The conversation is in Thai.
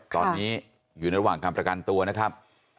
ตอนนี้อยู่ระหว่างการประกันตัวนะครับ